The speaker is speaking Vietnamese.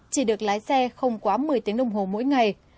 chỉ được lái xe không quá một mươi tiếng đồng hồ mỗi ngày